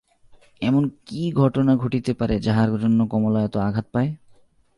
এমনি কী ঘটনা ঘটিতে পারে যাহার জন্য কমলা এত আঘাত পায়!